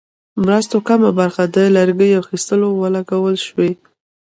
مرستو کمه برخه د لرګیو اخیستلو ولګول شوې.